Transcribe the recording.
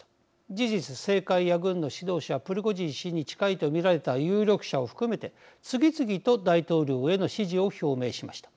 事実政界や軍の指導者プリゴジン氏に近いと見られた有力者を含めて次々と大統領への支持を表明しました。